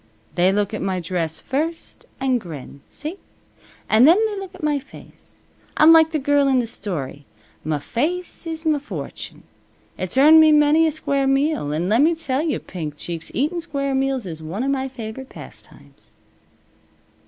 They look at my dress first, an' grin. See? An' then they look at my face. I'm like the girl in the story. Muh face is muh fortune. It's earned me many a square meal; an' lemme tell you, Pink Cheeks, eatin' square meals is one of my favorite pastimes."